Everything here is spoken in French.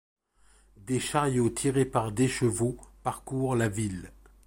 Des chariots tirés par des chevaux parcourent la ville.